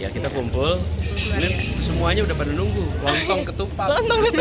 ya kita kumpul semuanya udah pada nunggu wongtong ketupat